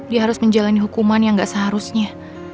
dia harus menjalani hukuman yang gak seharusnya